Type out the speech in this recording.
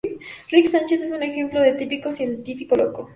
Rick Sánchez es un ejemplo de típico "científico loco".